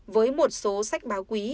với một số sách báo quý